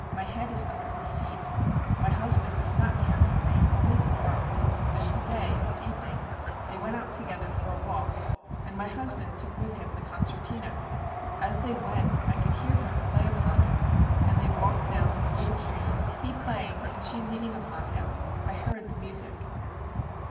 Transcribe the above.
My head is under her feet. My husband does not care for me, only for her. And to day, this evening, they went out together for a walk, and my husband took with him the concertina. As they went I could hear him play upon it, and they walked down through the trees, he playing and she leaning upon him. I heard the music.'